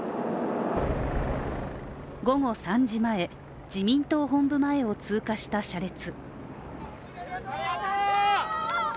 午後３時前、自民党本部前を通過した車列。